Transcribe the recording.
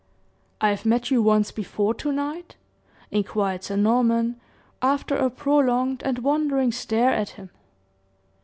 "I've met you once before to night?" inquired Sir Norman, after a prolonged and wondering stare at him.